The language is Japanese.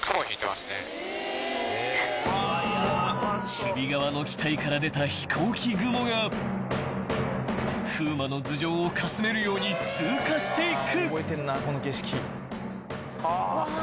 ［守備側の機体から出た飛行機雲が風磨の頭上をかすめるように通過していく］